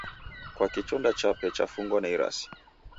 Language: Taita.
Kwaki chonda chape chafungwa na irasi?